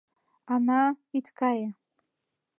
Ана, ит кае!